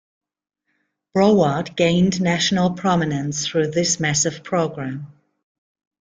Broward gained national prominence through this massive program.